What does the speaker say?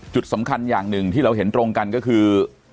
จุดสำคัญอย่างหนึ่งที่เราเห็นตรงกันก็คือ